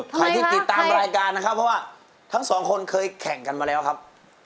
ใครที่ติดตามรายการนะครับเพราะว่าทั้งสองคนเคยแข่งกันมาแล้วครับ